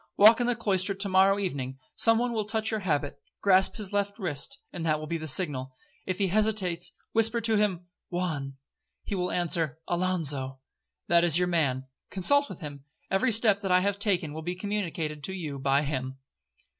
Walk in the cloister to morrow evening—some one will touch your habit—grasp his left wrist, that will be the signal. If he hesitates, whisper to him—'Juan,' he will answer—'Alonzo.' That is your man, consult with him. Every step that I have taken will be communicated to you by him.'